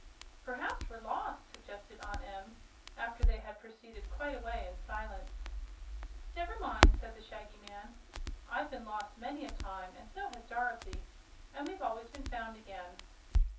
"Perhaps we're lost," suggested Aunt Em, after they had proceeded quite a way in silence. "Never mind," said the Shaggy Man; "I've been lost many a time and so has Dorothy and we've always been found again."